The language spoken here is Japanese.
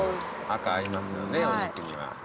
赤合いますよねお肉には。